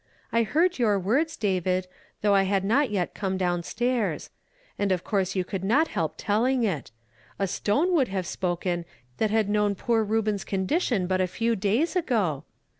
"I heard your words, David, tliougli I liad not yet come down stairs ; and of course you could not help telling it. A stone would have spoken, that had known l)oor Reuben's condition but a few days ago.